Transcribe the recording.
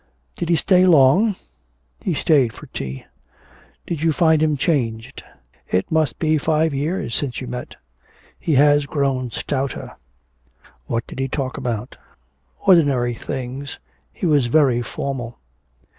'Did he stay long?' 'He stayed for tea.' 'Did you find him changed? It must be five years since you met.' 'He has grown stouter.' 'What did he talk about?' 'Ordinary things. He was very formal.'